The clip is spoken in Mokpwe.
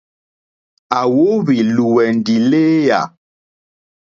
À wóhwì lùwɛ̀ndì lééyà.